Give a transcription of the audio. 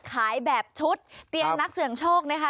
ขายแบบชุดเตียงนักเสี่ยงโชคนะคะ